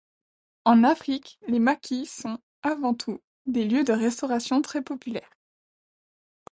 En Afrique, les maquis sont, avant tout, des lieux de restauration très populaires.